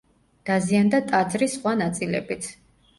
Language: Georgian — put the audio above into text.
დაზიანდა ტაძრის სხვა ნაწილებიც.